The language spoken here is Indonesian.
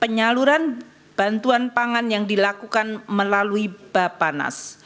penyaluran bantuan pangan yang dilakukan melalui bapanas